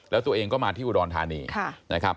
แล้วตัวเองก็มาที่อุดรณฐานี